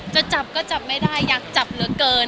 จะจับก็จับไม่ได้อยากจับเหลือเกิน